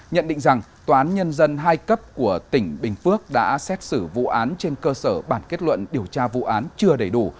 nhận định rằng tòa án nhân dân hai cấp của tỉnh bình phước đã xét xử vụ án trên cơ sở bản kết luận điều tra vụ án chưa đầy đủ